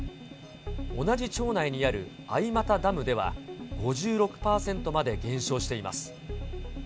同じ町内にある相俣ダムでは、５６％まで減少しています。